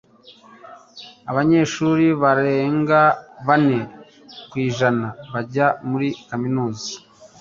Abanyeshuri barenga bane ku ijana bajya muri kaminuza.